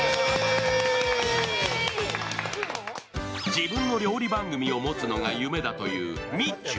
自分の料理番組を持つのが夢だというみちゅ。